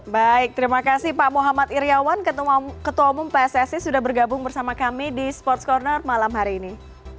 baik terima kasih pak muhammad iryawan ketua umum pssi sudah bergabung bersama kami di sports corner malam hari ini